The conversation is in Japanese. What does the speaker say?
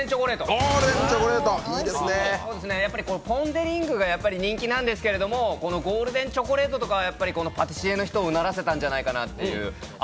ポン・デ・リングがやっぱり人気なんですけど、ゴールデンチョコレートとかパティシエの人をうならせたんじゃないかという。